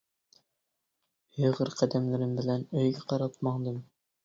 ئېغىر قەدەملىرىم بىلەن ئۆيگە قاراپ ماڭدىم.